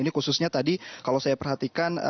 ini khususnya tadi kalau saya perhatikan